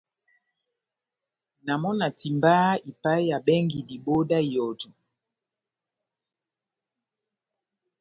Na mɔ na timbaha ipaheya bɛngi dibohó dá ihɔjɔ.